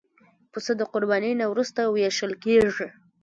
پسه د قربانۍ نه وروسته وېشل کېږي.